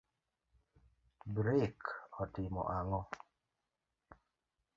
Brek otimo ango'?